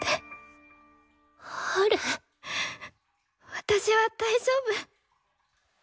私は大丈夫。